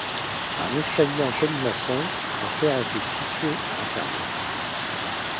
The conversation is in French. Un escalier en colimaçon en fer était situé à l'intérieur.